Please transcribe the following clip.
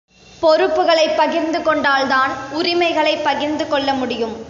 பொறுப்புக்களைப் பகிர்ந்து கொண்டால் தான் உரிமைகளைப் பகிர்ந்து கொள்ள முடியும்.